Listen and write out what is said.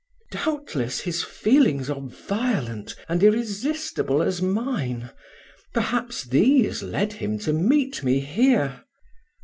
"Doubtless his feelings are violent and irresistible as mine: perhaps these led him to meet me here."